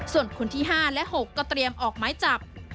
ส่วนคนที่๕และ๖ก็เตรียมออกไม้จับ